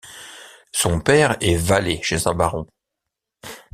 Son père est valet chez un baron.